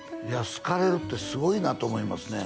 好かれるってすごいなと思いますね